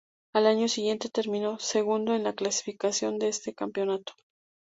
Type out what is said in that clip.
Al año siguiente terminó segundo en la clasificación de este campeonato.